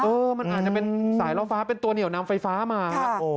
มันอาจจะเป็นสายล่อฟ้าเป็นตัวเหนียวนำไฟฟ้ามา